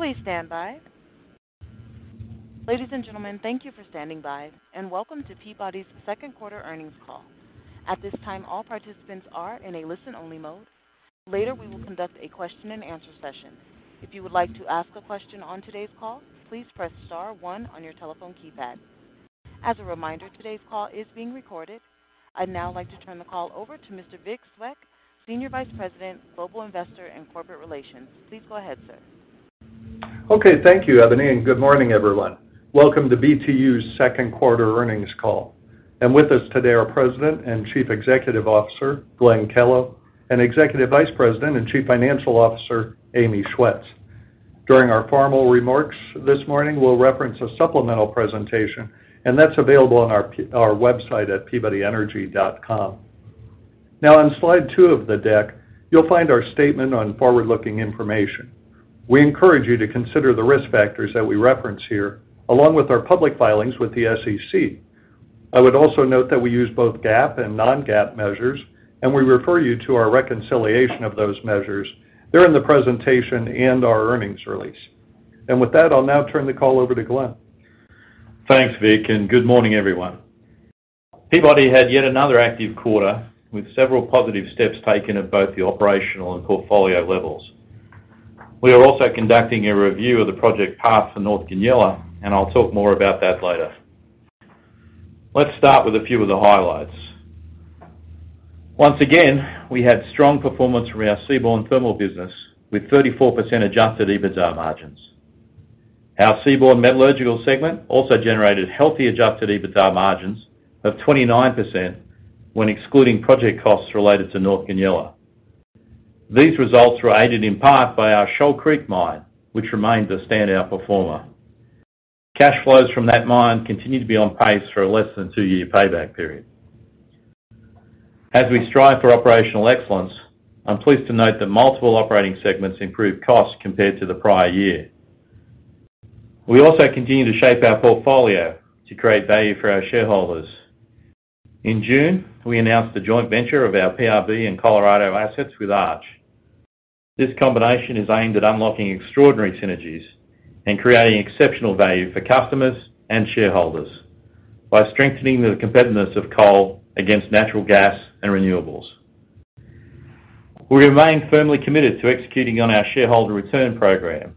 Please stand by. Ladies and gentlemen, thank you for standing by, and welcome to Peabody's second quarter earnings call. At this time, all participants are in a listen-only mode. Later, we will conduct a question-and-answer session. If you would like to ask a question on today's call, please press star one on your telephone keypad. As a reminder, today's call is being recorded. I'd now like to turn the call over to Mr. Vic Svec, Senior Vice President, Global Investor and Corporate Relations. Please go ahead, sir. Okay. Thank you, Ebony. Good morning, everyone. Welcome to BTU's second quarter earnings call. With us today are President and Chief Executive Officer, Glenn Kellow, and Executive Vice President and Chief Financial Officer, Amy Schwetz. During our formal remarks this morning we'll reference a supplemental presentation. That's available on our website at peabodyenergy.com. In slide two of the deck, you'll find our statement on forward-looking information. We encourage you to consider the risk factors that we reference here, along with our public filings with the SEC. I would also note that we use both GAAP and non-GAAP measures. We refer you to our reconciliation of those measures. They're in the presentation and our earnings release. With that, I'll now turn the call over to Glenn. Thanks, Vic, and good morning, everyone. Peabody had yet another active quarter, with several positive steps taken at both the operational and portfolio levels. We are also conducting a review of the project path for North Goonyella, and I'll talk more about that later. Let's start with a few of the highlights. Once again, we had strong performance from our seaborne thermal business, with 34% adjusted EBITDA margins. Our seaborne metallurgical segment also generated healthy adjusted EBITDA margins of 29% when excluding project costs related to North Goonyella. These results were aided in part by our Shoal Creek mine, which remains a standout performer. Cash flows from that mine continue to be on pace for a less than 2-year payback period. As we strive for operational excellence, I'm pleased to note that multiple operating segments improved costs compared to the prior year. We also continue to shape our portfolio to create value for our shareholders. In June, we announced the joint venture of our PRB and Colorado assets with Arch. This combination is aimed at unlocking extraordinary synergies and creating exceptional value for customers and shareholders by strengthening the competitiveness of coal against natural gas and renewables. We remain firmly committed to executing on our shareholder return program.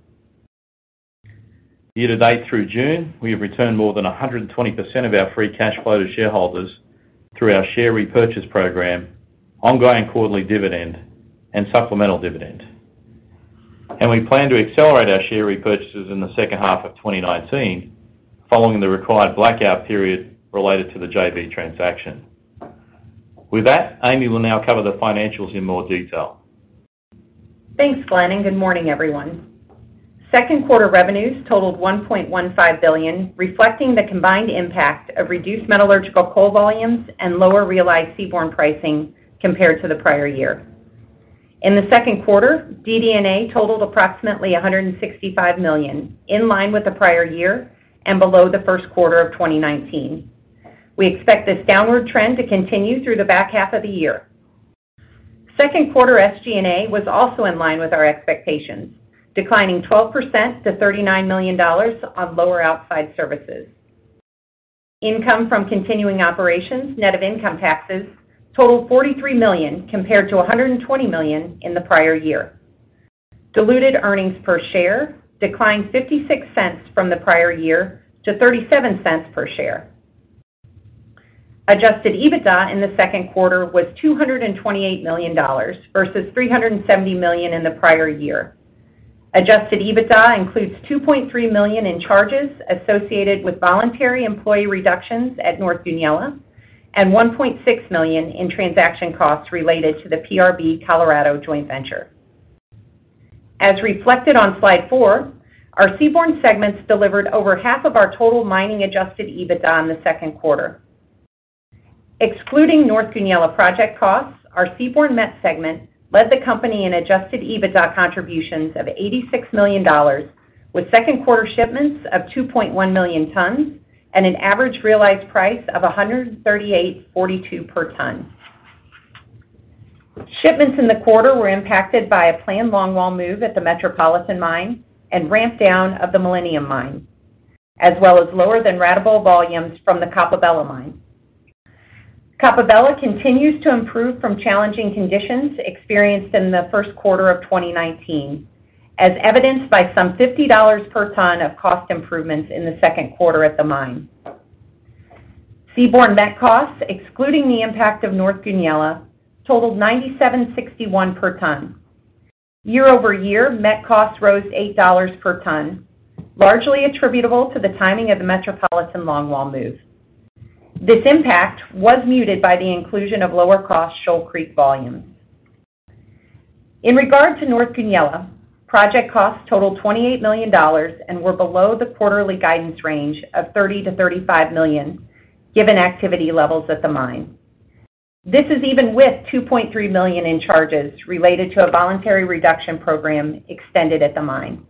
Year to date through June, we have returned more than 120% of our free cash flow to shareholders through our share repurchase program, ongoing quarterly dividend, and supplemental dividend. We plan to accelerate our share repurchases in the second half of 2019 following the required blackout period related to the JV transaction. With that, Amy will now cover the financials in more detail. Thanks, Glenn. Good morning, everyone. Second quarter revenues totaled $1.15 billion, reflecting the combined impact of reduced metallurgical coal volumes and lower realized seaborne pricing compared to the prior year. In the second quarter, DD&A totaled approximately $165 million, in line with the prior year and below the first quarter of 2019. We expect this downward trend to continue through the back half of the year. Second quarter SG&A was also in line with our expectations, declining 12% to $39 million on lower outside services. Income from continuing operations, net of income taxes totaled $43 million compared to $120 million in the prior year. Diluted earnings per share declined $0.56 from the prior year to $0.37 per share. Adjusted EBITDA in the second quarter was $228 million versus $370 million in the prior year. Adjusted EBITDA includes $2.3 million in charges associated with voluntary employee reductions at North Goonyella and $1.6 million in transaction costs related to the PRB Colorado joint venture. As reflected on slide four, our seaborne segments delivered over half of our total mining Adjusted EBITDA in the second quarter. Excluding North Goonyella project costs, our seaborne met segment led the company in Adjusted EBITDA contributions of $86 million with second quarter shipments of 2.1 million tons and an average realized price of $138.42 per ton. Shipments in the quarter were impacted by a planned long wall move at the Metropolitan mine and ramp down of the Millennium mine, as well as lower than ratable volumes from the Coppabella mine. Coppabella continues to improve from challenging conditions experienced in the first quarter of 2019, as evidenced by some $50 per ton of cost improvements in the second quarter at the mine. Seaborne met costs, excluding the impact of North Goonyella, totaled $97.61 per ton. Year-over-year, met costs rose $8 per ton, largely attributable to the timing of the Metropolitan long wall move. This impact was muted by the inclusion of lower cost Shoal Creek volumes. In regard to North Goonyella, project costs totaled $28 million and were below the quarterly guidance range of $30 million-$35 million, given activity levels at the mine. This is even with $2.3 million in charges related to a voluntary reduction program extended at the mine.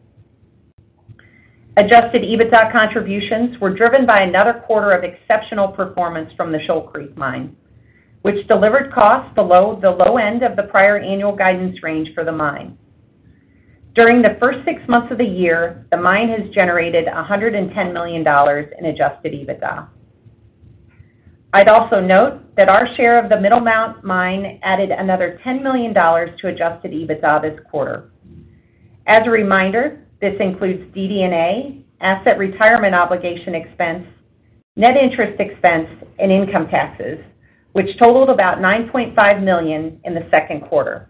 Adjusted EBITDA contributions were driven by another quarter of exceptional performance from the Shoal Creek Mine, which delivered costs below the low end of the prior annual guidance range for the mine. During the first six months of the year, the mine has generated $110 million in adjusted EBITDA. I'd also note that our share of the Middlemount Mine added another $10 million to adjusted EBITDA this quarter. As a reminder, this includes DD&A, asset retirement obligation expense, net interest expense, and income taxes, which totaled about $9.5 million in the second quarter.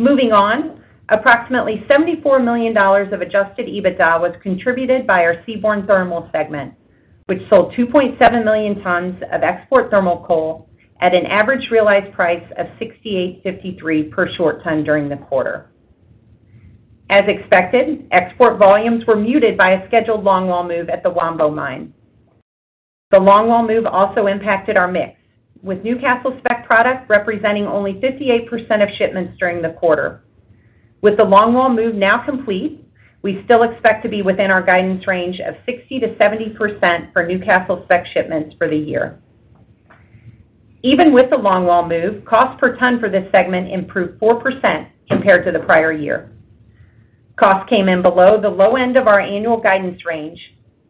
Moving on, approximately $74 million of adjusted EBITDA was contributed by our Seaborne Thermal segment, which sold 2.7 million tons of export thermal coal at an average realized price of $68.53 per short ton during the quarter. As expected, export volumes were muted by a scheduled longwall move at the Wambo Mine. The longwall move also impacted our mix, with Newcastle spec product representing only 58% of shipments during the quarter. With the longwall move now complete, we still expect to be within our guidance range of 60%-70% for Newcastle spec shipments for the year. Even with the longwall move, cost per ton for this segment improved 4% compared to the prior year. Cost came in below the low end of our annual guidance range,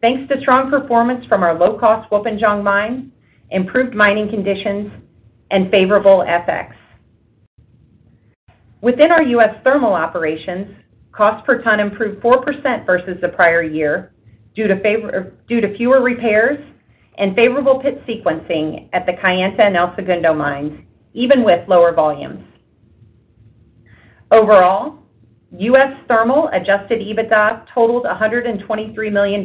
thanks to strong performance from our low-cost Wilpinjong Mine, improved mining conditions, and favorable FX. Within our U.S. thermal operations, cost per ton improved 4% versus the prior year due to fewer repairs and favorable pit sequencing at the Kayenta and El Segundo mines, even with lower volumes. Overall, U.S. thermal adjusted EBITDA totaled $123 million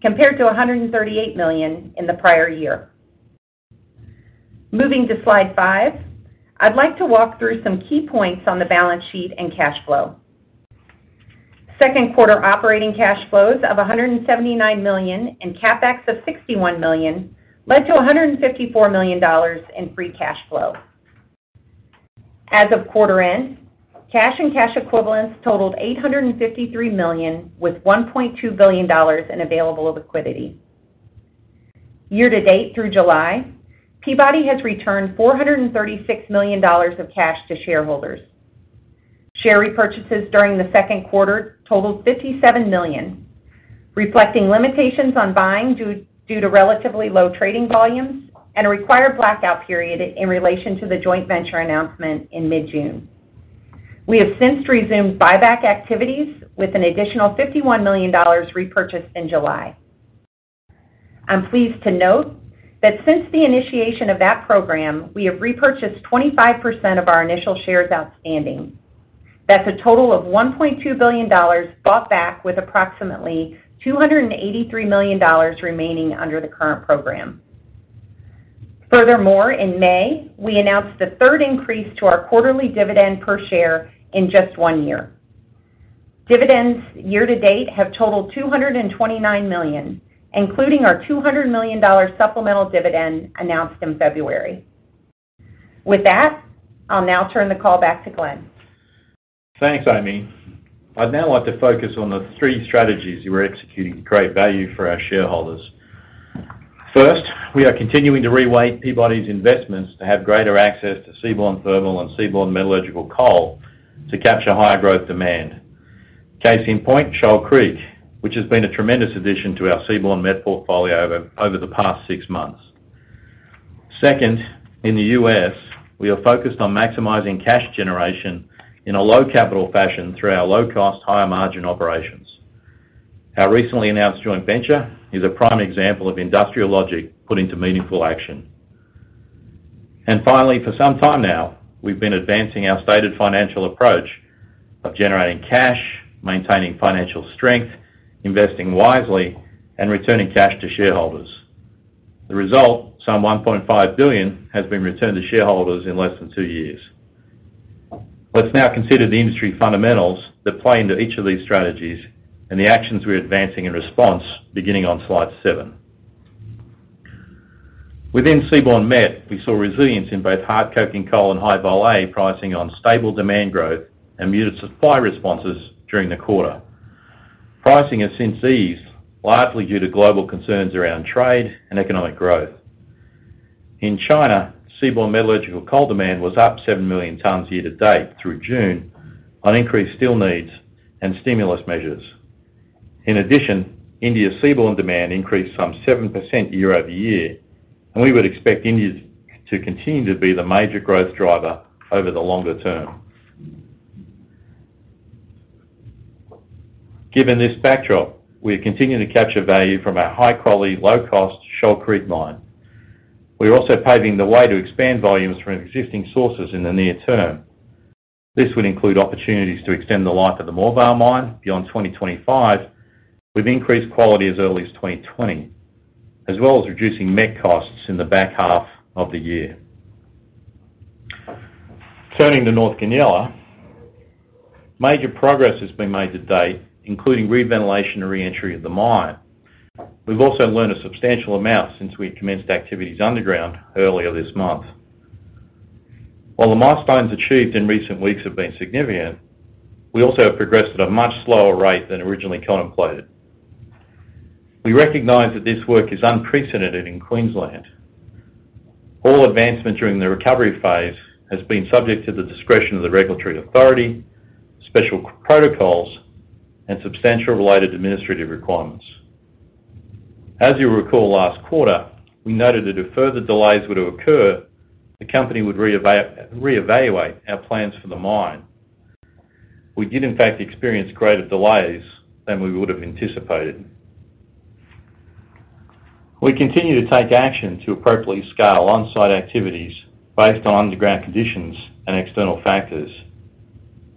compared to $138 million in the prior year. Moving to slide five. I'd like to walk through some key points on the balance sheet and cash flow. Second quarter operating cash flows of $179 million and CapEx of $61 million led to $154 million in free cash flow. As of quarter end, cash and cash equivalents totaled $853 million with $1.2 billion in available liquidity. Year to date through July, Peabody has returned $436 million of cash to shareholders. Share repurchases during the second quarter totaled $57 million, reflecting limitations on buying due to relatively low trading volumes and a required blackout period in relation to the joint venture announcement in mid-June. We have since resumed buyback activities with an additional $51 million repurchased in July. I'm pleased to note that since the initiation of that program, we have repurchased 25% of our initial shares outstanding. That's a total of $1.2 billion bought back with approximately $283 million remaining under the current program. Furthermore, in May, we announced the third increase to our quarterly dividend per share in just one year. Dividends year to date have totaled $229 million, including our $200 million supplemental dividend announced in February. With that, I'll now turn the call back to Glenn. Thanks, Amy. I'd now like to focus on the three strategies we're executing to create value for our shareholders. We are continuing to reweight Peabody's investments to have greater access to seaborne thermal and seaborne metallurgical coal to capture higher growth demand. Case in point, Shoal Creek, which has been a tremendous addition to our seaborne met portfolio over the past six months. In the U.S., we are focused on maximizing cash generation in a low-capital fashion through our low-cost, higher-margin operations. Our recently announced joint venture is a prime example of industrial logic put into meaningful action. Finally, for some time now, we've been advancing our stated financial approach of generating cash, maintaining financial strength, investing wisely, and returning cash to shareholders. The result, some $1.5 billion has been returned to shareholders in less than two years. Let's now consider the industry fundamentals that play into each of these strategies and the actions we're advancing in response beginning on slide seven. Within Seaborne Met, we saw resilience in both hard coking coal and High Vol A pricing on stable demand growth and muted supply responses during the quarter. Pricing has since eased, largely due to global concerns around trade and economic growth. In China, seaborne metallurgical coal demand was up 7 million tons year-to-date through June on increased steel needs and stimulus measures. In addition, India seaborne demand increased some 7% year-over-year. We would expect India to continue to be the major growth driver over the longer term. Given this backdrop, we are continuing to capture value from our high-quality, low-cost Shoal Creek mine. We are also paving the way to expand volumes from existing sources in the near term. This would include opportunities to extend the life of the Moorvale mine beyond 2025 with increased quality as early as 2020, as well as reducing mech costs in the back half of the year. Turning to North Goonyella, major progress has been made to date, including reventilation and re-entry of the mine. We've also learned a substantial amount since we commenced activities underground earlier this month. While the milestones achieved in recent weeks have been significant, we also have progressed at a much slower rate than originally contemplated. We recognize that this work is unprecedented in Queensland. All advancement during the recovery phase has been subject to the discretion of the regulatory authority, special protocols, and substantial related administrative requirements. As you recall last quarter, we noted that if further delays were to occur, the company would reevaluate our plans for the mine. We did in fact experience greater delays than we would have anticipated. We continue to take action to appropriately scale on-site activities based on underground conditions and external factors.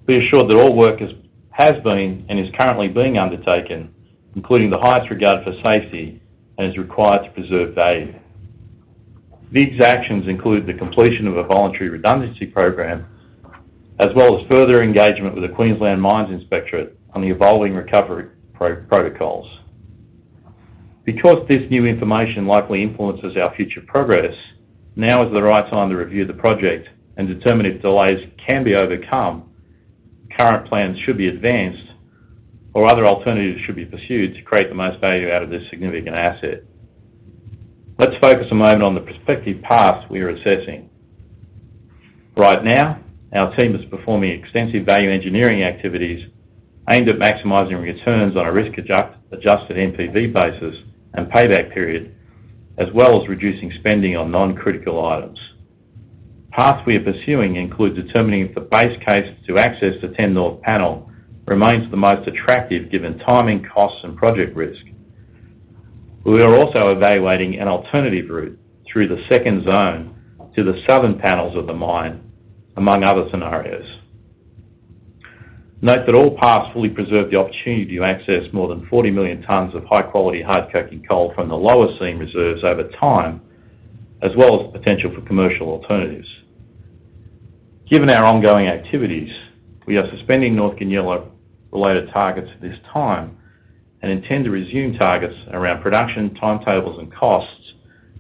Be assured that all work has been and is currently being undertaken, including the highest regard for safety and as required to preserve value. These actions include the completion of a voluntary redundancy program, as well as further engagement with the Queensland Mines Inspectorate on the evolving recovery protocols. Because this new information likely influences our future progress, now is the right time to review the project and determine if delays can be overcome, current plans should be advanced, or other alternatives should be pursued to create the most value out of this significant asset. Let's focus a moment on the prospective paths we are assessing. Right now, our team is performing extensive value engineering activities aimed at maximizing returns on a risk-adjusted NPV basis and payback period, as well as reducing spending on non-critical items. Paths we are pursuing include determining if the base case to access the 10 North panel remains the most attractive given timing, costs, and project risk. We are also evaluating an alternative route through the second zone to the southern panels of the mine, among other scenarios. Note that all paths fully preserve the opportunity to access more than 40 million tons of high-quality, hard coking coal from the lower seam reserves over time, as well as potential for commercial alternatives. Given our ongoing activities, we are suspending North Goonyella related targets at this time and intend to resume targets around production, timetables, and costs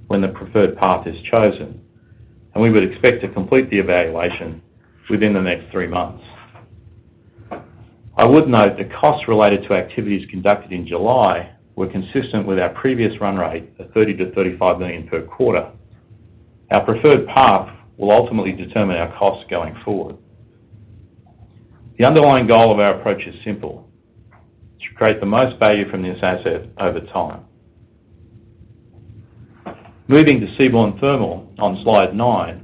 when the preferred path is chosen. We would expect to complete the evaluation within the next three months. I would note that costs related to activities conducted in July were consistent with our previous run rate of $30 million-$35 million per quarter. Our preferred path will ultimately determine our costs going forward. The underlying goal of our approach is simple: to create the most value from this asset over time. Moving to seaborne thermal on slide nine.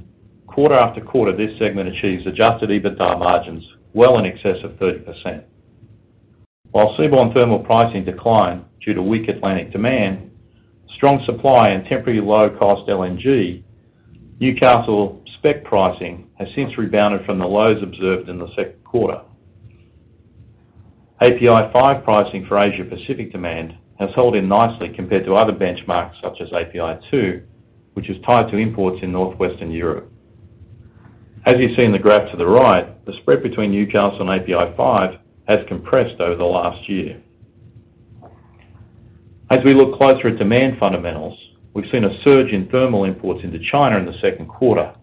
Quarter after quarter, this segment achieves adjusted EBITDA margins well in excess of 30%. While seaborne thermal pricing declined due to weak Atlantic demand, strong supply, and temporarily low-cost LNG, Newcastle spec pricing has since rebounded from the lows observed in the second quarter. API5 pricing for Asia Pacific demand has held in nicely compared to other benchmarks such as API2, which is tied to imports in Northwestern Europe. As you see in the graph to the right, the spread between Newcastle and API5 has compressed over the last year. As we look closer at demand fundamentals, we've seen a surge in thermal imports into China in the second quarter.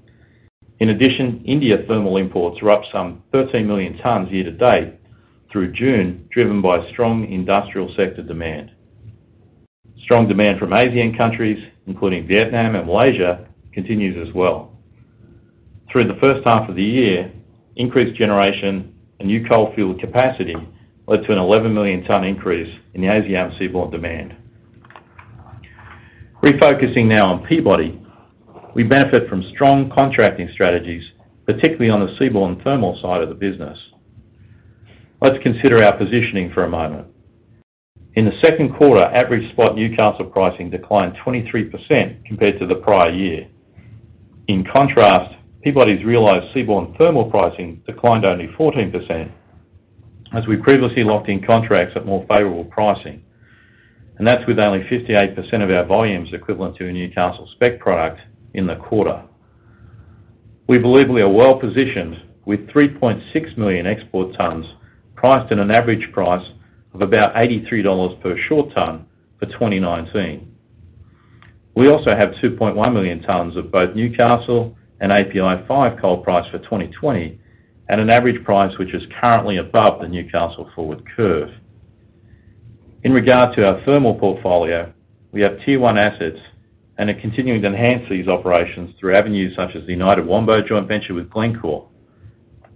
India thermal imports were up some 13 million tons year to date through June, driven by strong industrial sector demand. Strong demand from ASEAN countries, including Vietnam and Malaysia, continues as well. Through the first half of the year, increased generation and new coal-fueled capacity led to an 11 million ton increase in the ASEAN seaborne demand. Refocusing now on Peabody. We benefit from strong contracting strategies, particularly on the seaborne thermal side of the business. Let's consider our positioning for a moment. In the second quarter, average spot Newcastle pricing declined 23% compared to the prior year. In contrast, Peabody's realized seaborne thermal pricing declined only 14% as we previously locked in contracts at more favorable pricing. That's with only 58% of our volumes equivalent to a Newcastle spec product in the quarter. We believe we are well-positioned with 3.6 million export tons priced at an average price of about $83 per short ton for 2019. We also have 2.1 million tons of both Newcastle and API5 coal priced for 2020 at an average price which is currently above the Newcastle forward curve. In regard to our thermal portfolio, we have tier 1 assets and are continuing to enhance these operations through avenues such as the United Wambo joint venture with Glencore.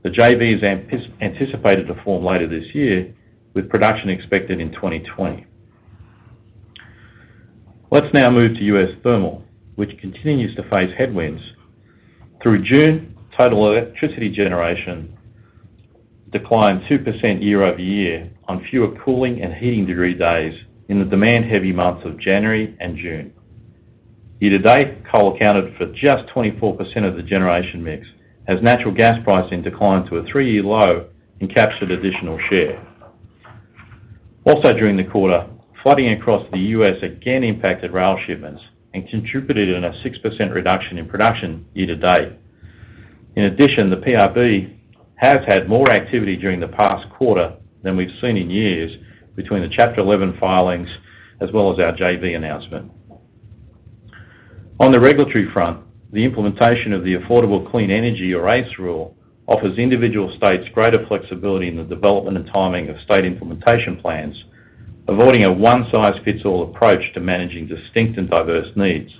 The JV is anticipated to form later this year, with production expected in 2020. Let's now move to U.S. thermal, which continues to face headwinds. Through June, total electricity generation declined 2% year-over-year on fewer cooling and heating degree days in the demand-heavy months of January and June. Year to date, coal accounted for just 24% of the generation mix as natural gas pricing declined to a three-year low and captured additional share. Also during the quarter, flooding across the U.S. again impacted rail shipments and contributed in a 6% reduction in production year to date. In addition, the PRB has had more activity during the past quarter than we've seen in years between the Chapter 11 filings, as well as our JV announcement. On the regulatory front, the implementation of the Affordable Clean Energy, or ACE rule, offers individual states greater flexibility in the development and timing of state implementation plans, avoiding a one-size-fits-all approach to managing distinct and diverse needs.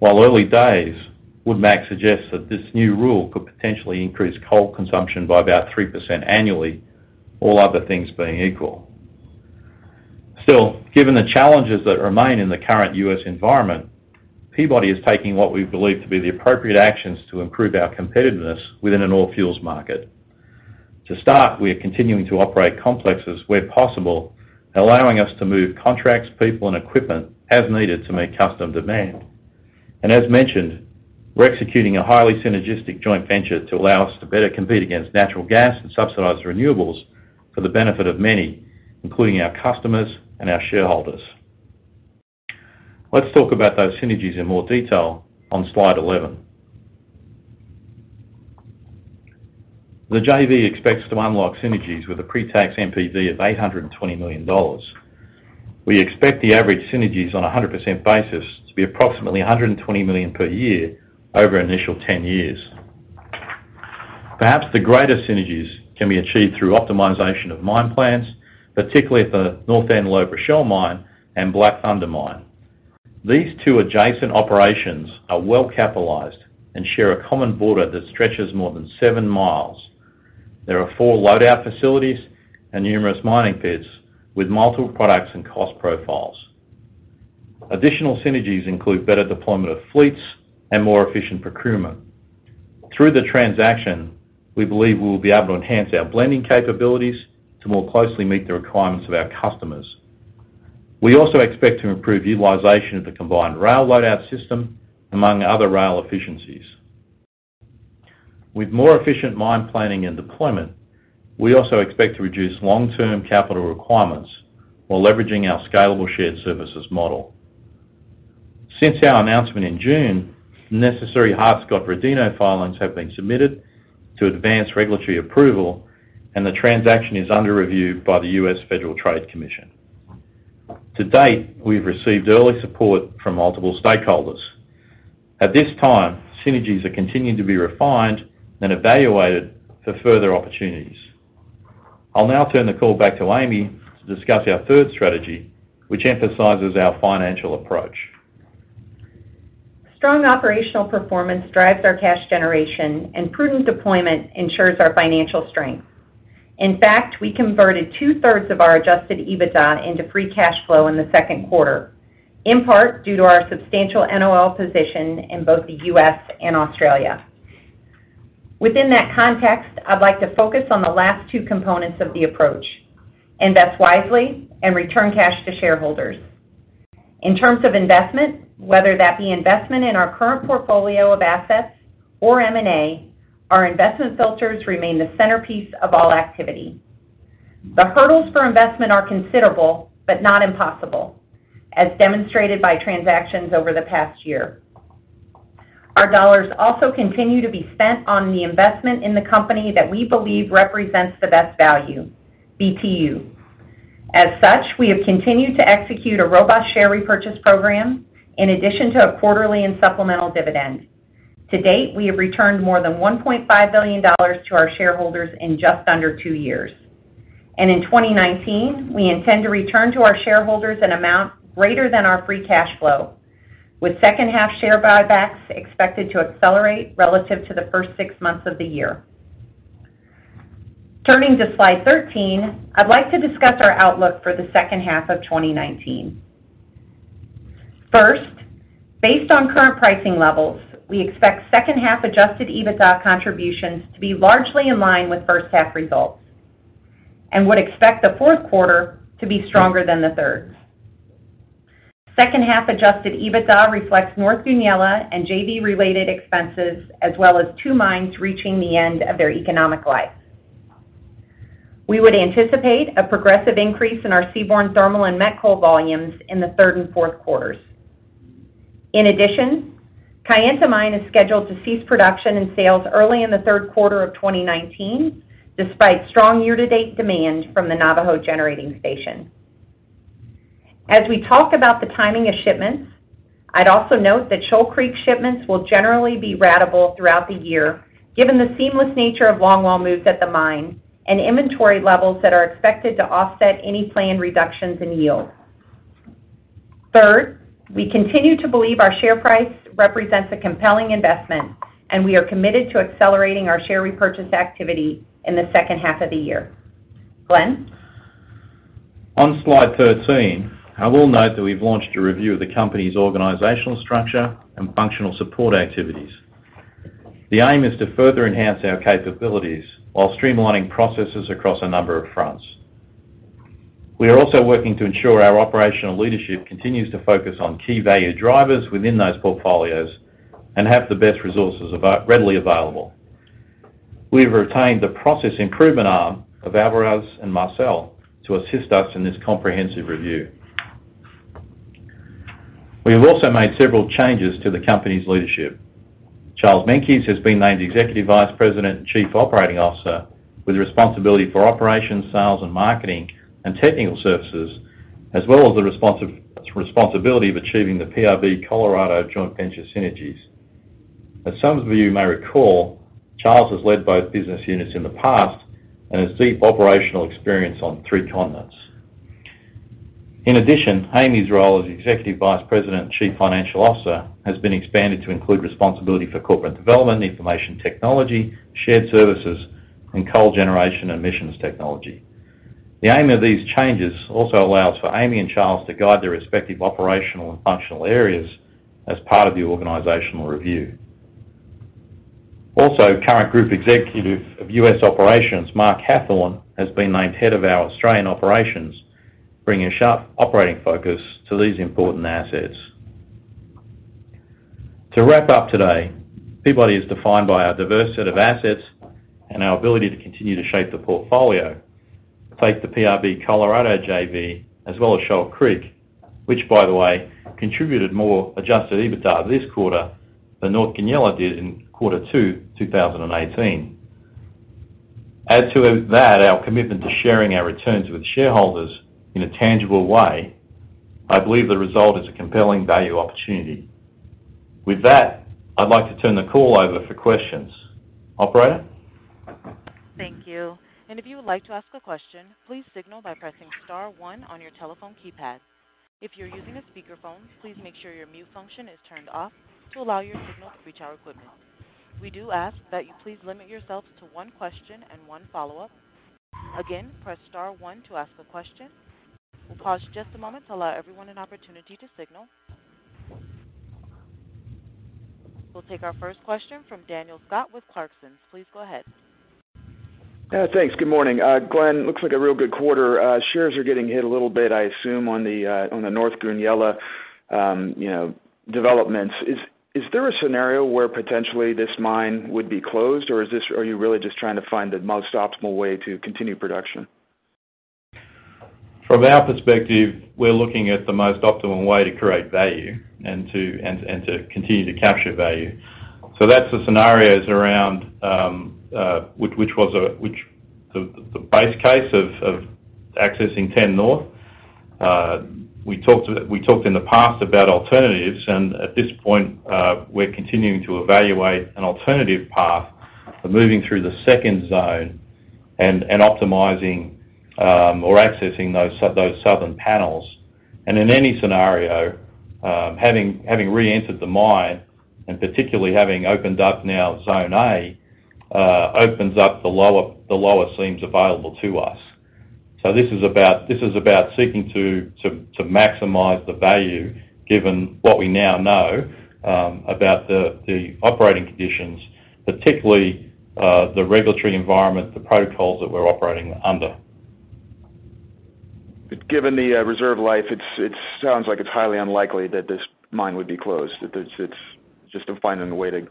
While early days would suggest that this new rule could potentially increase coal consumption by about 3% annually, all other things being equal. Given the challenges that remain in the current U.S. environment, Peabody is taking what we believe to be the appropriate actions to improve our competitiveness within an all-fuels market. To start, we are continuing to operate complexes where possible, allowing us to move contracts, people and equipment as needed to meet customer demand. As mentioned, we're executing a highly synergistic joint venture to allow us to better compete against natural gas and subsidized renewables for the benefit of many, including our customers and our shareholders. Let's talk about those synergies in more detail on slide 11. The JV expects to unlock synergies with a pre-tax NPV of $820 million. We expect the average synergies on 100% basis to be approximately $120 million per year over initial 10 years. Perhaps the greatest synergies can be achieved through optimization of mine plans, particularly for North Antelope Rochelle Mine and Black Thunder Mine. These two adjacent operations are well capitalized and share a common border that stretches more than seven miles. There are four load-out facilities and numerous mining pits with multiple products and cost profiles. Additional synergies include better deployment of fleets and more efficient procurement. Through the transaction, we believe we will be able to enhance our blending capabilities to more closely meet the requirements of our customers. We also expect to improve utilization of the combined rail load-out system, among other rail efficiencies. With more efficient mine planning and deployment, we also expect to reduce long-term capital requirements while leveraging our scalable shared services model. Since our announcement in June, the necessary Hart-Scott-Rodino filings have been submitted to advance regulatory approval, and the transaction is under review by the U.S. Federal Trade Commission. To date, we've received early support from multiple stakeholders. At this time, synergies are continuing to be refined and evaluated for further opportunities. I'll now turn the call back to Amy to discuss our third strategy, which emphasizes our financial approach. Strong operational performance drives our cash generation, and prudent deployment ensures our financial strength. In fact, we converted two-thirds of our adjusted EBITDA into free cash flow in the second quarter, in part due to our substantial NOL position in both the U.S. and Australia. Within that context, I'd like to focus on the last two components of the approach: invest wisely and return cash to shareholders. In terms of investment, whether that be investment in our current portfolio of assets or M&A, our investment filters remain the centerpiece of all activity. The hurdles for investment are considerable but not impossible, as demonstrated by transactions over the past year. Our dollars also continue to be spent on the investment in the company that we believe represents the best value, BTU. As such, we have continued to execute a robust share repurchase program in addition to a quarterly and supplemental dividend. To date, we have returned more than $1.5 billion to our shareholders in just under two years. In 2019, we intend to return to our shareholders an amount greater than our free cash flow, with second half share buybacks expected to accelerate relative to the first six months of the year. Turning to slide 13, I'd like to discuss our outlook for the second half of 2019. First, based on current pricing levels, we expect second half adjusted EBITDA contributions to be largely in line with first half results and would expect the fourth quarter to be stronger than the third. Second half adjusted EBITDA reflects North Goonyella and JV-related expenses, as well as two mines reaching the end of their economic life. We would anticipate a progressive increase in our seaborne thermal and met coal volumes in the third and fourth quarters. In addition, Kayenta Mine is scheduled to cease production and sales early in the third quarter of 2019, despite strong year-to-date demand from the Navajo Generating Station. As we talk about the timing of shipments, I'd also note that Coal Creek shipments will generally be ratable throughout the year, given the seamless nature of longwall moves at the mine and inventory levels that are expected to offset any planned reductions in yield. Third, we continue to believe our share price represents a compelling investment, and we are committed to accelerating our share repurchase activity in the second half of the year. Glenn? On slide 13, I will note that we've launched a review of the company's organizational structure and functional support activities. The aim is to further enhance our capabilities while streamlining processes across a number of fronts. We are also working to ensure our operational leadership continues to focus on key value drivers within those portfolios and have the best resources readily available. We have retained the process improvement arm of Alvarez & Marsal to assist us in this comprehensive review. We have also made several changes to the company's leadership. Charles Meintjes has been named Executive Vice President and Chief Operating Officer with responsibility for operations, sales and marketing, and technical services, as well as the responsibility of achieving the PRB Colorado joint venture synergies. As some of you may recall, Charles has led both business units in the past and has deep operational experience on three continents. In addition, Amy's role as Executive Vice President and Chief Financial Officer has been expanded to include responsibility for corporate development, information technology, shared services, and coal generation emissions technology. The aim of these changes also allows for Amy and Charles to guide their respective operational and functional areas as part of the organizational review. Current Group Executive of U.S. Operations, Marc Hathhorn, has been named head of our Australian operations, bringing sharp operating focus to these important assets. To wrap up today, Peabody is defined by our diverse set of assets and our ability to continue to shape the portfolio. Take the PRB Colorado JV, as well as Shoal Creek, which, by the way, contributed more adjusted EBITDA this quarter than North Goonyella did in quarter 2 2018. Add to that our commitment to sharing our returns with shareholders in a tangible way, I believe the result is a compelling value opportunity. With that, I'd like to turn the call over for questions. Operator? Thank you. If you would like to ask a question, please signal by pressing star one on your telephone keypad. If you're using a speakerphone, please make sure your mute function is turned off to allow your signal to reach our equipment. We do ask that you please limit yourself to one question and one follow-up. Again, press star one to ask a question. We'll pause just a moment to allow everyone an opportunity to signal. We'll take our first question from Daniel Scott with Clarksons Platou. Please go ahead. Yeah, thanks. Good morning. Glenn, looks like a real good quarter. Shares are getting hit a little bit, I assume, on the North Goonyella developments. Is there a scenario where potentially this mine would be closed, or are you really just trying to find the most optimal way to continue production? From our perspective, we're looking at the most optimum way to create value and to continue to capture value. That's the scenarios around the base case of accessing 10 North. We talked in the past about alternatives, and at this point, we're continuing to evaluate an alternative path for moving through the second zone and optimizing or accessing those southern panels. In any scenario, having reentered the mine, and particularly having opened up now Zone A, opens up the lower seams available to us. This is about seeking to maximize the value given what we now know about the operating conditions, particularly the regulatory environment, the protocols that we're operating under. Given the reserve life, it sounds like it's highly unlikely that this mine would be closed. It's just finding a way to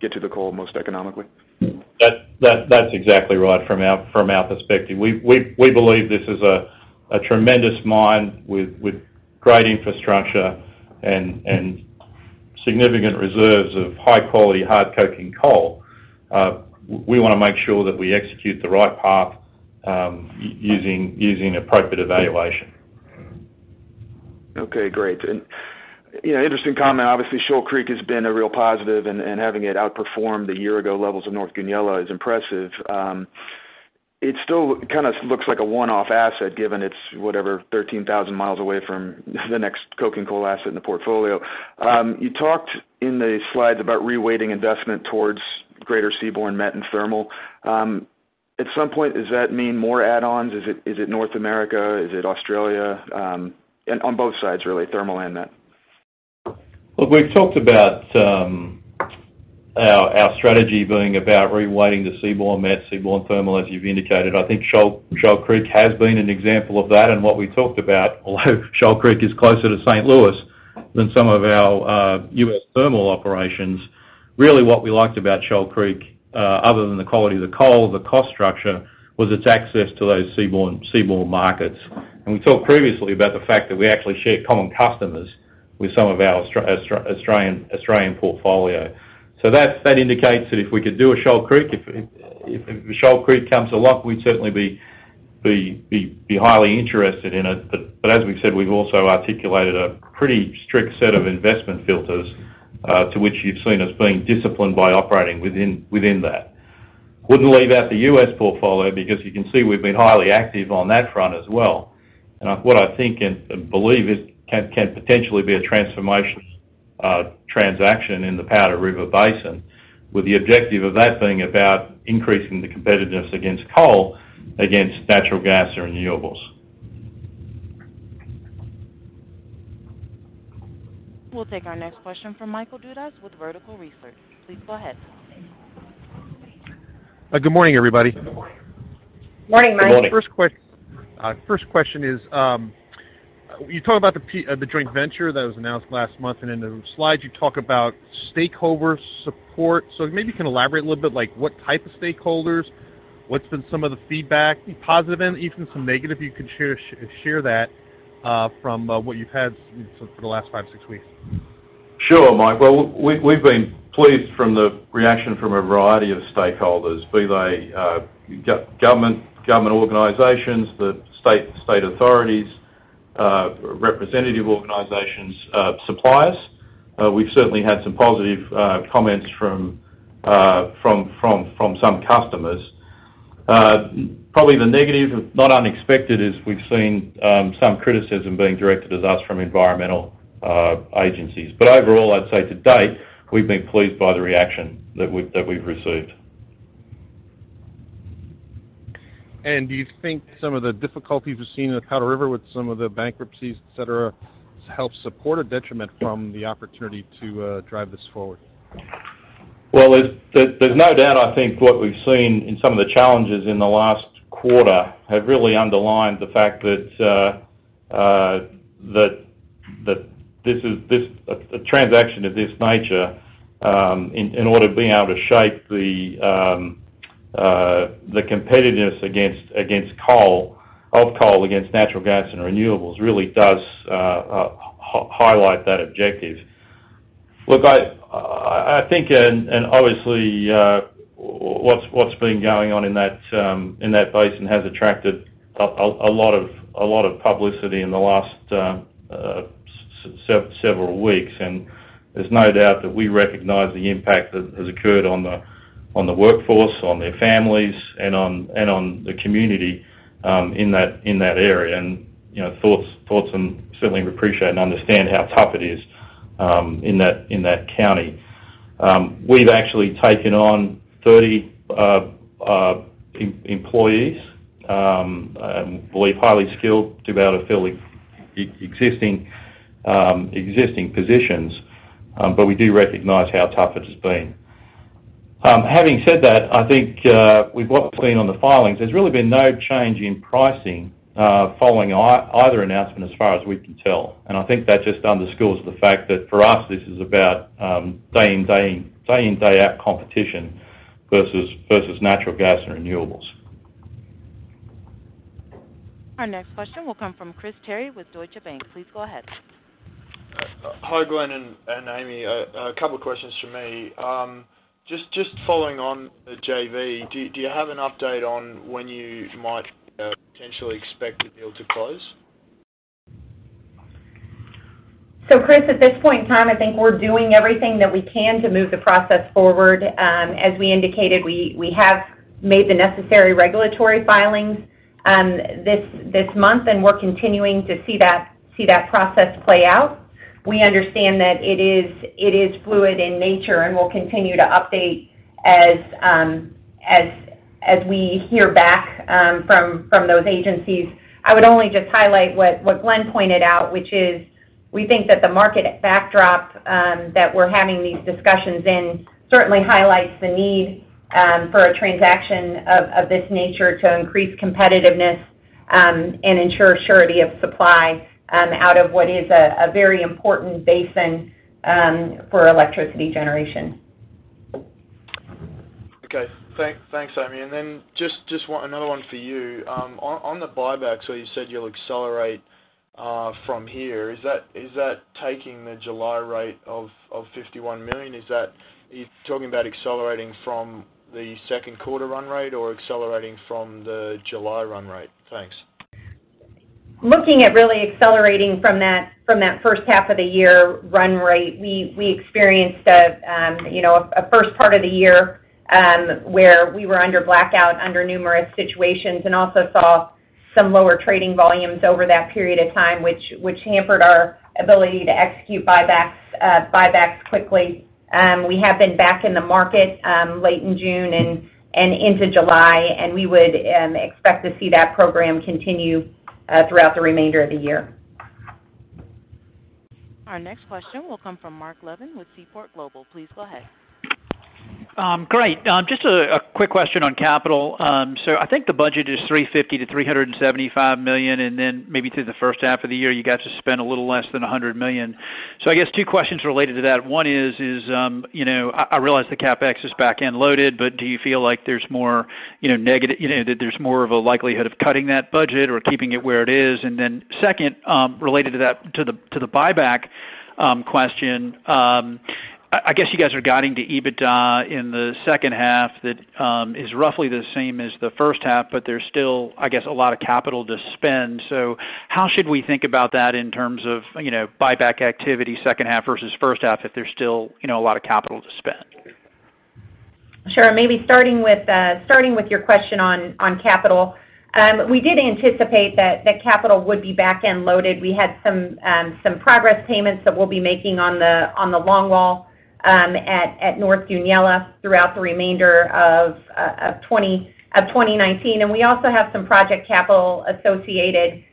get to the coal most economically. That's exactly right from our perspective. We believe this is a tremendous mine with great infrastructure and significant reserves of high-quality, hard coking coal. We want to make sure that we execute the right path using appropriate evaluation. Okay, great. Interesting comment. Obviously, Coal Creek has been a real positive, and having it outperform the year-ago levels of North Goonyella is impressive. It still looks like a one-off asset, given it's, whatever, 13,000 miles away from the next coking coal asset in the portfolio. You talked in the slides about reweighting investment towards greater seaborne met and thermal. At some point, does that mean more add-ons? Is it North America? Is it Australia? On both sides, really, thermal and met. Look, we've talked about our strategy being about reweighting to seaborne met, seaborne thermal, as you've indicated. I think Coal Creek has been an example of that. What we talked about, although Coal Creek is closer to St. Louis than some of our U.S. thermal operations, really what we liked about Coal Creek, other than the quality of the coal, the cost structure, was its access to those seaborne markets. That indicates that if we could do a Coal Creek, if Coal Creek comes along, we'd certainly be highly interested in it. As we said, we've also articulated a pretty strict set of investment filters to which you've seen us being disciplined by operating within that. Wouldn't leave out the U.S. portfolio because you can see we've been highly active on that front as well. What I think and believe it can potentially be a transformation transaction in the Powder River Basin, with the objective of that being about increasing the competitiveness against coal, against natural gas or renewables. We'll take our next question from Michael Dudas with Vertical Research. Please go ahead. Good morning, everybody. Morning, Michael. First question is, you talked about the joint venture that was announced last month. In the slides, you talk about stakeholder support. Maybe you can elaborate a little bit, like what type of stakeholders? What's been some of the feedback, positive and even some negative, you can share that from what you've had for the last five, six weeks? Sure, Mike. Well, we've been pleased from the reaction from a variety of stakeholders, be they government organizations, the state authorities, representative organizations, suppliers. We've certainly had some positive comments from some customers. Probably the negative, not unexpected, is we've seen some criticism being directed at us from environmental agencies. Overall, I'd say to date, we've been pleased by the reaction that we've received. Do you think some of the difficulties we've seen in the Powder River with some of the bankruptcies, et cetera, has helped support or detriment from the opportunity to drive this forward? Well, there's no doubt, I think what we've seen in some of the challenges in the last quarter have really underlined the fact that a transaction of this nature, in order to be able to shape the competitiveness of coal against natural gas and renewables, really does highlight that objective. Look, I think, obviously, what's been going on in that basin has attracted a lot of publicity in the last several weeks, and there's no doubt that we recognize the impact that has occurred on the workforce, on their families, and on the community in that area and thoughts, and certainly we appreciate and understand how tough it is in that county. We've actually taken on 30 employees, we believe, highly skilled to be able to fill existing positions. We do recognize how tough it has been. Having said that, I think with what we've seen on the filings, there's really been no change in pricing following either announcement as far as we can tell. I think that just underscores the fact that for us, this is about day in, day out competition versus natural gas and renewables. Our next question will come from Chris Terry with Deutsche Bank. Please go ahead. Hi, Glenn and Amy. A couple questions from me. Just following on the JV, do you have an update on when you might potentially expect the deal to close? Chris, at this point in time, I think we're doing everything that we can to move the process forward. As we indicated, we have made the necessary regulatory filings this month, and we're continuing to see that process play out. We understand that it is fluid in nature, and we'll continue to update as we hear back from those agencies. I would only just highlight what Glenn pointed out, which is we think that the market backdrop that we're having these discussions in certainly highlights the need for a transaction of this nature to increase competitiveness and ensure surety of supply out of what is a very important basin for electricity generation. Okay. Thanks, Amy. Then just another one for you. On the buybacks where you said you'll accelerate from here, is that taking the July rate of $51 million? Are you talking about accelerating from the second quarter run rate or accelerating from the July run rate? Thanks. Looking at really accelerating from that first half of the year run rate. We experienced a first part of the year, where we were under blackout under numerous situations and also saw some lower trading volumes over that period of time, which hampered our ability to execute buybacks quickly. We have been back in the market late in June and into July, and we would expect to see that program continue throughout the remainder of the year. Our next question will come from Mark Levin with Seaport Global. Please go ahead. Great. Just a quick question on capital. I think the budget is $350 million-$375 million, and then maybe through the first half of the year, you got to spend a little less than $100 million. I guess two questions related to that. One is, I realize the CapEx is back-end loaded, but do you feel like there's more of a likelihood of cutting that budget or keeping it where it is? Second, related to the buyback question, I guess you guys are guiding to EBITDA in the second half that is roughly the same as the first half, but there's still, I guess, a lot of capital to spend. How should we think about that in terms of buyback activity second half versus first half if there's still a lot of capital to spend? Sure, maybe starting with your question on capital. We did anticipate that the capital would be back-end loaded. We had some progress payments that we'll be making on the long wall at North Goonyella throughout the remainder of 2019. We also have some project capital associated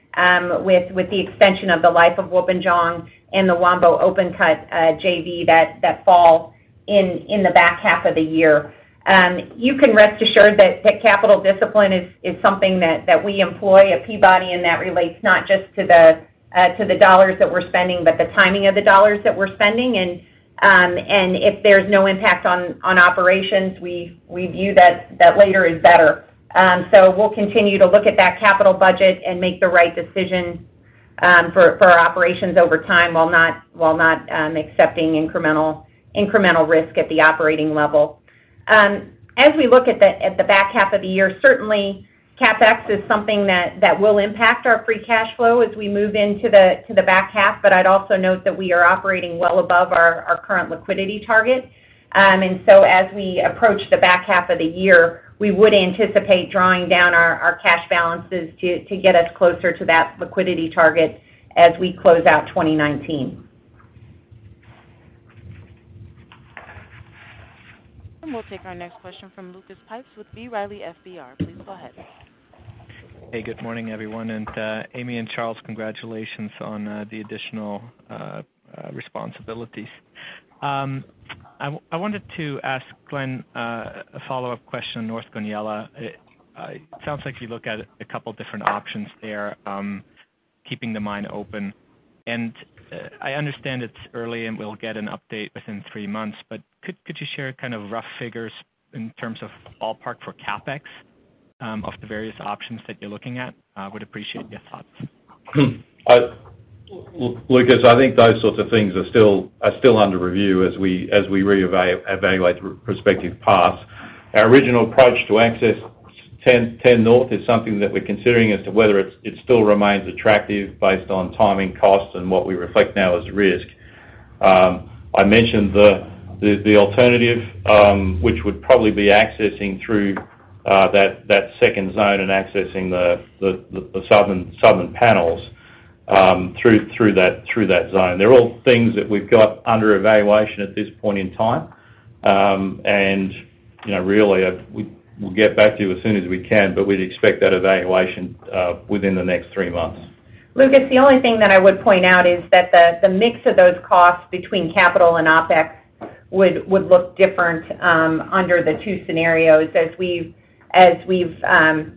with the extension of the life of Wilpinjong and the United Wambo open cut JV that fall in the back half of the year. You can rest assured that capital discipline is something that we employ at Peabody, and that relates not just to the dollars that we're spending, but the timing of the dollars that we're spending and if there's no impact on operations, we view that later is better. We'll continue to look at that capital budget and make the right decision for our operations over time while not accepting incremental risk at the operating level. As we look at the back half of the year, certainly CapEx is something that will impact our free cash flow as we move into the back half, but I'd also note that we are operating well above our current liquidity target. As we approach the back half of the year, we would anticipate drawing down our cash balances to get us closer to that liquidity target as we close out 2019. We'll take our next question from Lucas Pipes with B. Riley FBR. Please go ahead. Hey, good morning, everyone, Amy and Charles, congratulations on the additional responsibilities. I wanted to ask Glenn a follow-up question on North Goonyella. It sounds like you look at a couple different options there, keeping the mine open. I understand it's early and we'll get an update within three months, but could you share kind of rough figures in terms of ballpark for CapEx of the various options that you're looking at? I would appreciate your thoughts. Lucas, I think those sorts of things are still under review as we reevaluate the respective paths. Our original approach to access 10 North is something that we're considering as to whether it still remains attractive based on timing, costs, and what we reflect now as risk. I mentioned the alternative, which would probably be accessing through that second zone and accessing the southern panels through that zone. They're all things that we've got under evaluation at this point in time. Really, we'll get back to you as soon as we can, but we'd expect that evaluation within the next three months. Lucas, the only thing that I would point out is that the mix of those costs between capital and OpEx would look different under the two scenarios as we've gone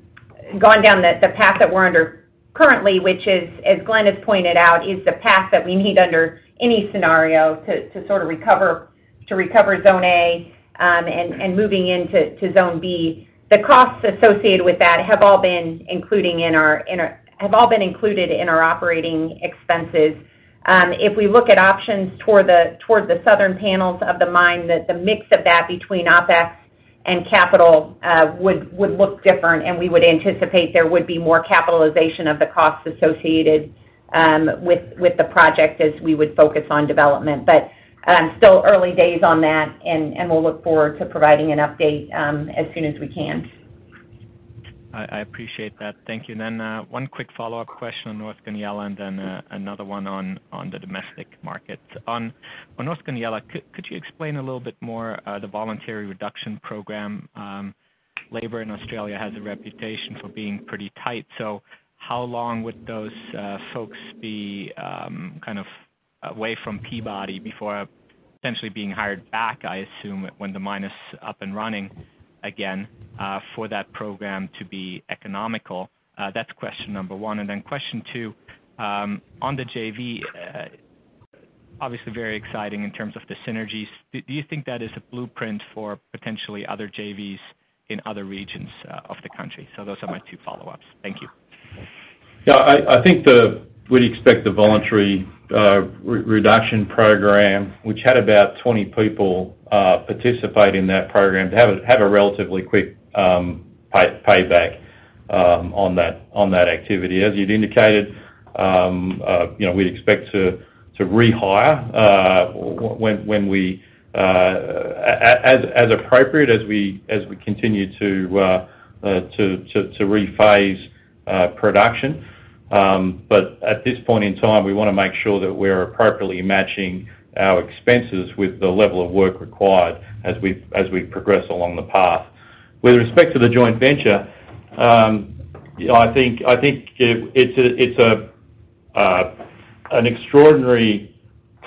down the path that we're under currently, which is, as Glenn has pointed out, is the path that we need under any scenario to sort of recover Zone A and moving into Zone B. The costs associated with that have all been included in our operating expenses. If we look at options towards the southern panels of the mine, the mix of that between OpEx and capital would look different, and we would anticipate there would be more capitalization of the costs associated with the project as we would focus on development. Still early days on that, and we'll look forward to providing an update as soon as we can. I appreciate that. Thank you. One quick follow-up question on North Goonyella and then another one on the domestic market. On North Goonyella, could you explain a little bit more the voluntary reduction program? Labor in Australia has a reputation for being pretty tight. How long would those folks be kind of away from Peabody before potentially being hired back, I assume, when the mine is up and running again for that program to be economical? That's question number one. Question two, on the JV, obviously very exciting in terms of the synergies. Do you think that is a blueprint for potentially other JVs in other regions of the U.S.? Those are my two follow-ups. Thank you. Yeah, I think we'd expect the voluntary reduction program, which had about 20 people participate in that program, to have a relatively quick payback on that activity. As you'd indicated, we'd expect to rehire as appropriate as we continue to re-phase production. At this point in time, we want to make sure that we're appropriately matching our expenses with the level of work required as we progress along the path. With respect to the joint venture, I think it's an extraordinary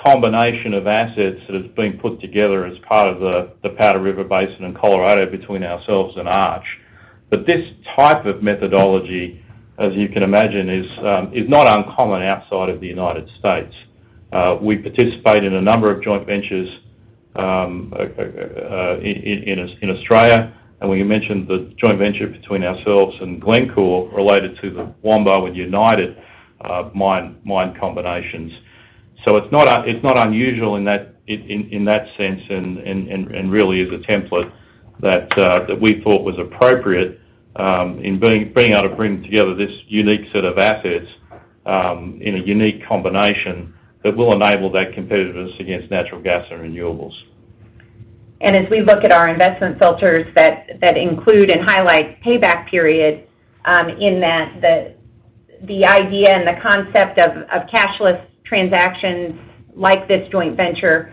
combination of assets that has been put together as part of the Powder River Basin in Colorado between ourselves and Arch. This type of methodology, as you can imagine, is not uncommon outside of the U.S. We participate in a number of joint ventures in Australia, and we mentioned the joint venture between ourselves and Glencore related to the United Wambo. It's not unusual in that sense and really is a template that we thought was appropriate in being able to bring together this unique set of assets in a unique combination that will enable that competitiveness against natural gas and renewables. As we look at our investment filters that include and highlight payback period in that the idea and the concept of cashless transactions like this joint venture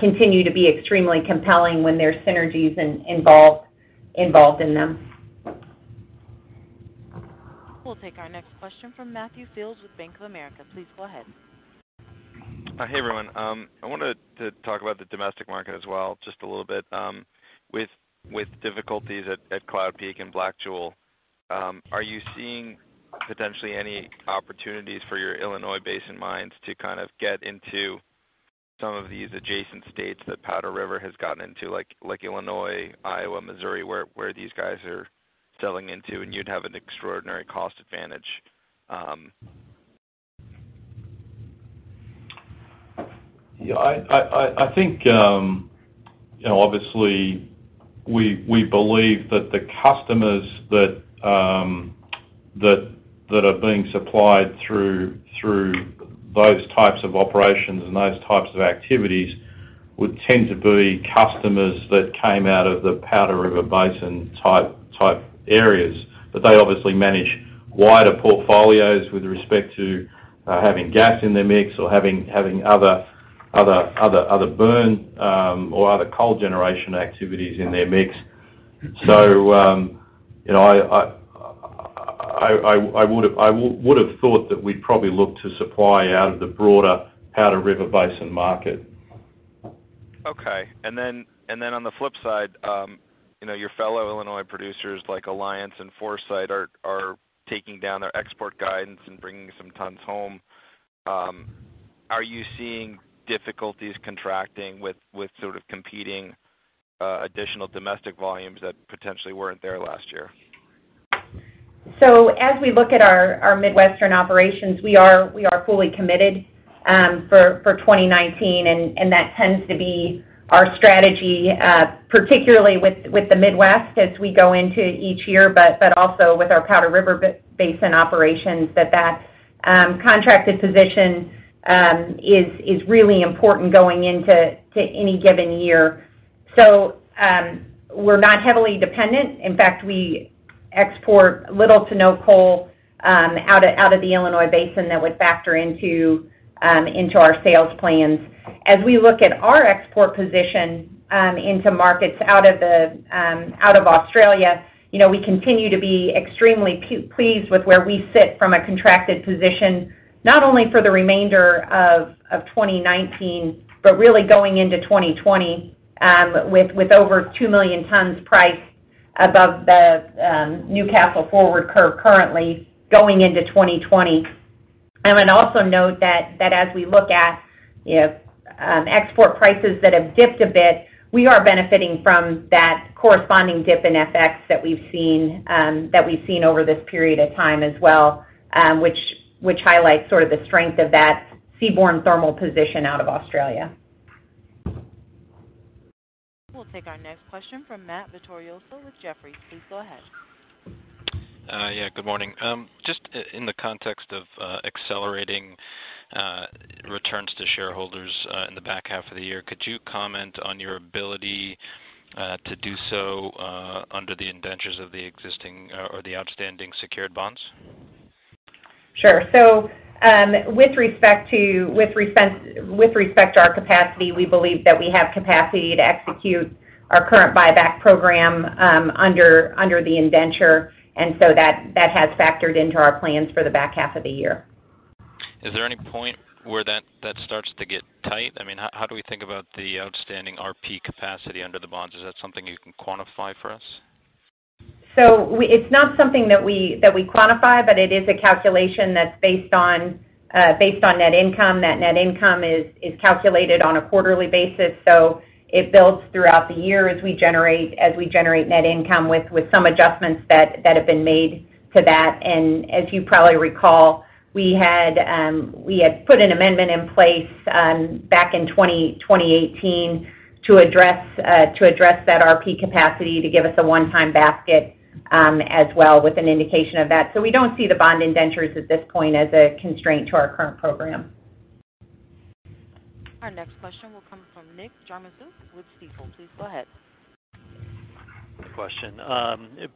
continue to be extremely compelling when there's synergies involved in them. We'll take our next question from Matthew Fields with Bank of America. Please go ahead. Hey, everyone. I wanted to talk about the domestic market as well just a little bit. With difficulties at Cloud Peak and Blackjewel, are you seeing potentially any opportunities for your Illinois Basin mines to get into some of these adjacent states that Powder River has gotten into, like Illinois, Iowa, Missouri, where these guys are selling into, and you'd have an extraordinary cost advantage? Yeah. Obviously, we believe that the customers that are being supplied through those types of operations and those types of activities would tend to be customers that came out of the Powder River Basin-type areas. They obviously manage wider portfolios with respect to having gas in their mix or having other burn or other coal generation activities in their mix. I would've thought that we'd probably look to supply out of the broader Powder River Basin market. Okay. Then on the flip side, your fellow Illinois producers like Alliance and Foresight are taking down their export guidance and bringing some tons home. Are you seeing difficulties contracting with sort of competing additional domestic volumes that potentially weren't there last year? As we look at our Midwestern operations, we are fully committed for 2019, and that tends to be our strategy, particularly with the Midwest as we go into each year, but also with our Powder River Basin operations, that contracted position is really important going into any given year. We're not heavily dependent. In fact, we export little to no coal out of the Illinois Basin that would factor into our sales plans. As we look at our export position into markets out of Australia, we continue to be extremely pleased with where we sit from a contracted position, not only for the remainder of 2019, but really going into 2020, with over 2 million tons priced above the Newcastle forward curve currently going into 2020. I would also note that as we look at export prices that have dipped a bit, we are benefiting from that corresponding dip in FX that we've seen over this period of time as well, which highlights sort of the strength of that seaborne thermal position out of Australia. We'll take our next question from Matt Vittorioso with Jefferies. Please go ahead. Yeah. Good morning. Just in the context of accelerating returns to shareholders in the back half of the year, could you comment on your ability to do so under the indentures of the existing or the outstanding secured bonds? Sure. With respect to our capacity, we believe that we have capacity to execute our current buyback program under the indenture, that has factored into our plans for the back half of the year. Is there any point where that starts to get tight? How do we think about the outstanding RP capacity under the bonds? Is that something you can quantify for us? It's not something that we quantify, but it is a calculation that's based on net income. Net income is calculated on a quarterly basis, so it builds throughout the year as we generate net income with some adjustments that have been made to that. As you probably recall, we had put an amendment in place back in 2018 to address that RP capacity to give us a one-time basket as well, with an indication of that. We don't see the bond indentures at this point as a constraint to our current program. Our next question will come from Nick Jarmuzek with Stifel. Please go ahead. Good question.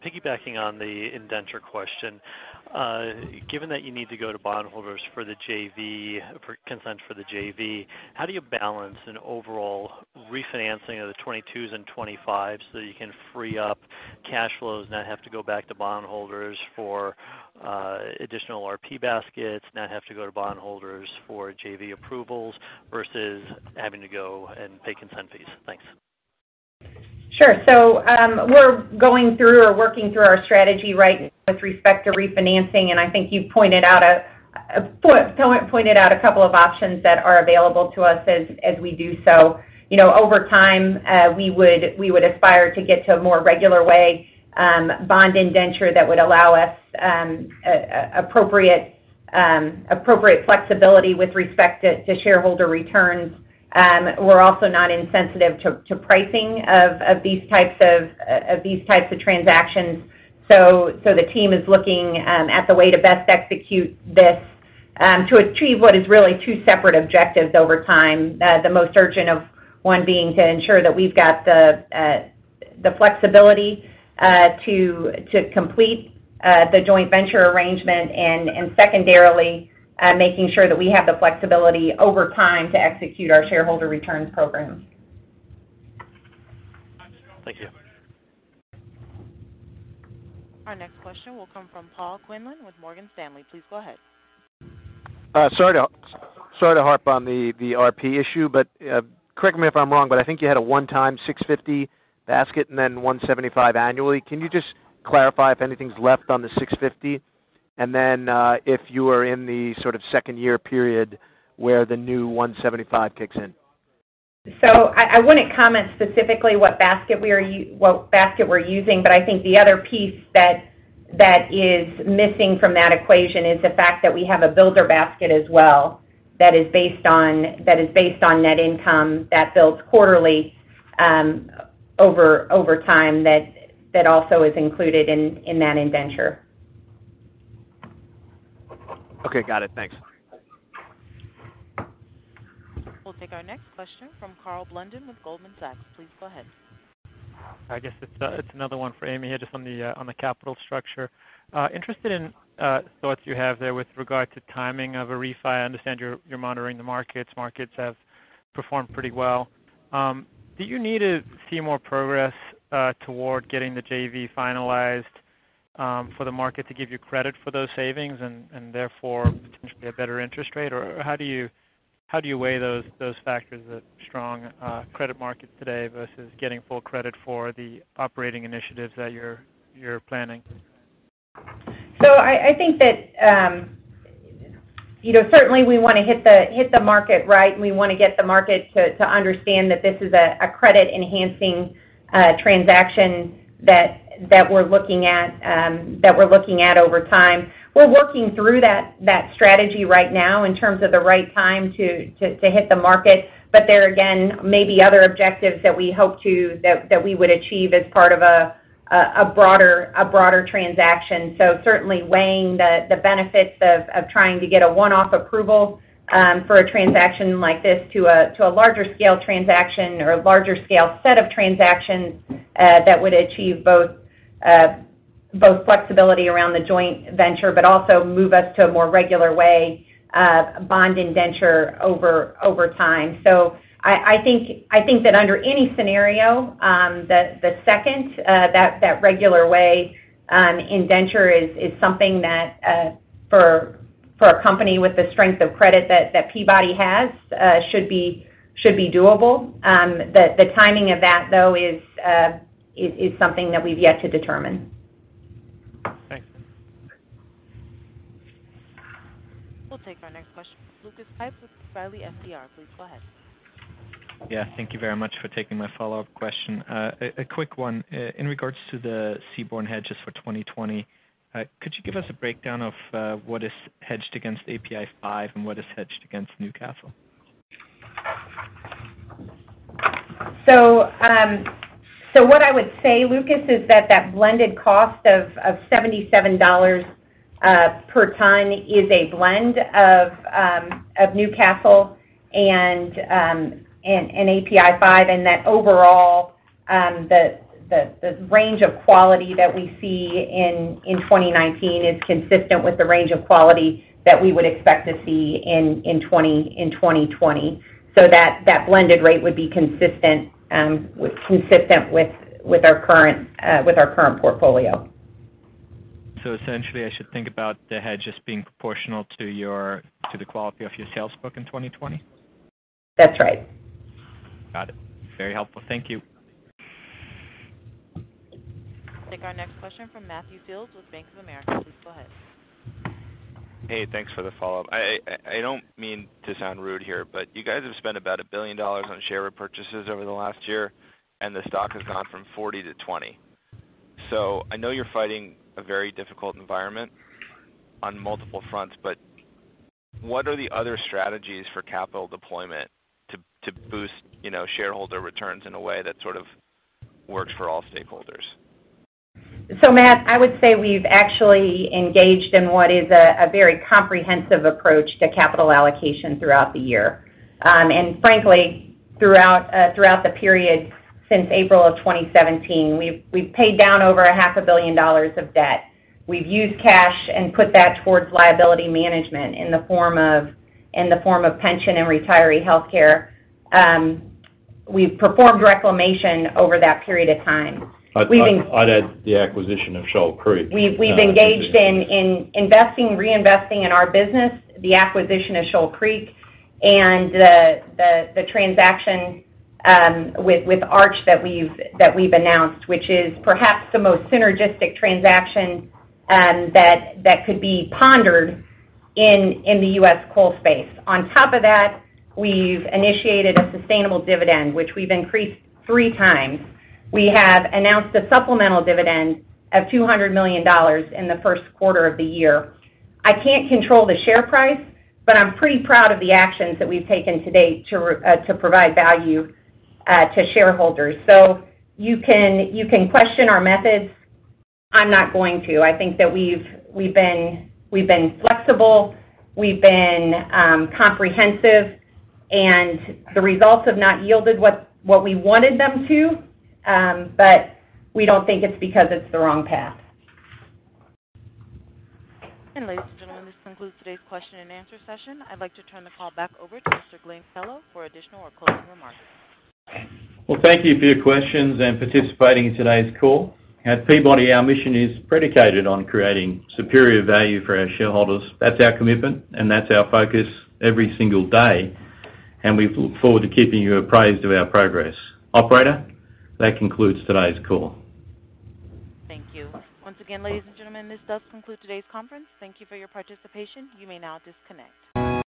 Piggybacking on the indenture question, given that you need to go to bondholders for consent for the JV, how do you balance an overall refinancing of the '22s and '25s so you can free up cash flows, not have to go back to bondholders for additional RP baskets, not have to go to bondholders for JV approvals versus having to go and pay consent fees? Thanks. Sure. We're going through or working through our strategy right now with respect to refinancing, and I think you've pointed out a couple of options that are available to us as we do so. Over time, we would aspire to get to a more regular way bond indenture that would allow us appropriate flexibility with respect to shareholder returns. We're also not insensitive to pricing of these types of transactions. The team is looking at the way to best execute this to achieve what is really two separate objectives over time. The most urgent of one being to ensure that we've got the flexibility to complete the joint venture arrangement and secondarily, making sure that we have the flexibility over time to execute our shareholder returns program. Thank you. Our next question will come from Paul Quinlan with Morgan Stanley. Please go ahead. Sorry to Sorry to harp on the RP issue, but correct me if I'm wrong, but I think you had a one-time $650 basket and then $175 annually. Can you just clarify if anything's left on the $650, and then if you are in the sort of second year period where the new $175 kicks in? I wouldn't comment specifically what basket we're using, but I think the other piece that is missing from that equation is the fact that we have a builder basket as well that is based on net income that builds quarterly over time that also is included in that indenture. Okay. Got it. Thanks. We'll take our next question from Karl Blunden with Goldman Sachs. Please go ahead. I guess it's another one for Amy here, just on the capital structure. Interested in thoughts you have there with regard to timing of a refi. I understand you're monitoring the markets. Markets have performed pretty well. Do you need to see more progress toward getting the JV finalized for the market to give you credit for those savings and therefore potentially a better interest rate, or how do you weigh those factors, the strong credit market today versus getting full credit for the operating initiatives that you're planning? I think that certainly we want to hit the market right, and we want to get the market to understand that this is a credit-enhancing transaction that we're looking at over time. We're working through that strategy right now in terms of the right time to hit the market. There again, maybe other objectives that we hope to that we would achieve as part of a broader transaction. Certainly weighing the benefits of trying to get a one-off approval for a transaction like this to a larger scale transaction or a larger scale set of transactions that would achieve both flexibility around the joint venture, but also move us to a more regular way of bond indenture over time. I think that under any scenario, the second, that regular way indenture is something that for a company with the strength of credit that Peabody has should be doable. The timing of that, though, is something that we've yet to determine. Thanks. We'll take our next question from Lucas Pipes with B. Riley FBR. Please go ahead. Thank you very much for taking my follow-up question. A quick one in regards to the seaborne hedges for 2020. Could you give us a breakdown of what is hedged against API5 and what is hedged against Newcastle? What I would say, Lucas, is that that blended cost of $77 per ton is a blend of Newcastle and API5, and that overall the range of quality that we see in 2019 is consistent with the range of quality that we would expect to see in 2020. That blended rate would be consistent with our current portfolio. Essentially, I should think about the hedges being proportional to the quality of your sales book in 2020? That's right. Got it. Very helpful. Thank you. Take our next question from Matthew Fields with Bank of America. Please go ahead. Hey, thanks for the follow-up. I don't mean to sound rude here, but you guys have spent about $1 billion on share repurchases over the last year, and the stock has gone from $40 to $20. I know you're fighting a very difficult environment on multiple fronts, but what are the other strategies for capital deployment to boost shareholder returns in a way that sort of works for all stakeholders? Matt, I would say we've actually engaged in what is a very comprehensive approach to capital allocation throughout the year. Frankly, throughout the period since April of 2017, we've paid down over a half a billion dollars of debt. We've used cash and put that towards liability management in the form of pension and retiree healthcare. We've performed reclamation over that period of time. I'd add the acquisition of Shoal Creek. We've engaged in investing, reinvesting in our business, the acquisition of Shoal Creek and the transaction with Arch that we've announced, which is perhaps the most synergistic transaction that could be pondered in the U.S. coal space. We've initiated a sustainable dividend, which we've increased three times. We have announced a supplemental dividend of $200 million in the first quarter of the year. I can't control the share price, but I'm pretty proud of the actions that we've taken to date to provide value to shareholders. You can question our methods. I'm not going to. I think that we've been flexible, we've been comprehensive, The results have not yielded what we wanted them to, We don't think it's because it's the wrong path. ladies and gentlemen, this concludes today's question and answer session. I'd like to turn the call back over to Mr. Glenn Kellow for additional or closing remarks. Well, thank you for your questions and participating in today's call. At Peabody, our mission is predicated on creating superior value for our shareholders. That's our commitment, and that's our focus every single day, and we look forward to keeping you apprised of our progress. Operator, that concludes today's call. Thank you. Once again, ladies and gentlemen, this does conclude today's conference. Thank you for your participation. You may now disconnect.